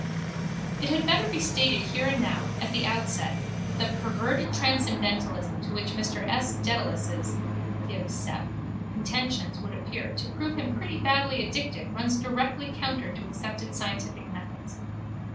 It had better be stated here and now at the outset that the perverted transcendentalism to which Mr S. Dedalus' (Div. Scep.) contentions would appear to prove him pretty badly addicted runs directly counter to accepted scientific methods.